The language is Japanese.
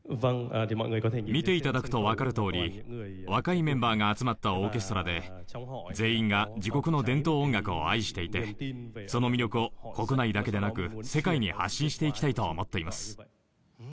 見て頂くとわかるとおり若いメンバーが集まったオーケストラで全員が自国の伝統音楽を愛していてその魅力を国内だけでなく世界に発信していきたいと思っています。